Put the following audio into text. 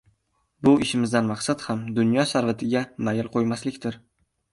— Bu ishimizdan maqsad ham dunyo sarvatiga mayl qo‘ymaslikdir.